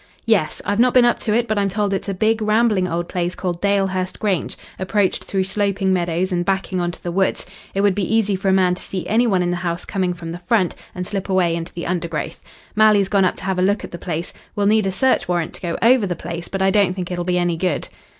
"Yes, I've not been up to it, but I'm told it's a big, rambling old place called Dalehurst Grange, approached through sloping meadows and backing on to the woods. It would be easy for a man to see any one in the house coming from the front and slip away into the undergrowth. Malley's gone up to have a look at the place. We'll need a search warrant to go over the place, but I don't think it'll be any good."